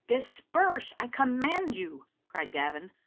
•'Disperse, I command you.'" cried Gavin.